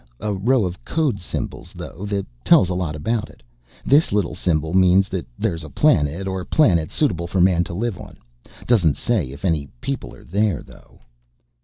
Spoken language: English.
A row of code symbols though that tell a lot about it. This little symbol means that there is a planet or planets suitable for man to live on. Doesn't say if any people are there though."